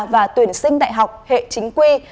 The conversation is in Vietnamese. và tuyển sinh đại học hệ chính quy